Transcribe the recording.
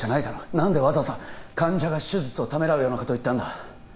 何でわざわざ患者が手術をためらうようなこと言ったんだ？